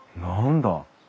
何だ？